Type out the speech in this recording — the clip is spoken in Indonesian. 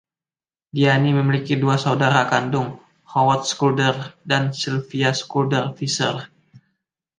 Diane memiliki dua saudara kandung, Howard Schulder dan Sylvia Schulder Fisher.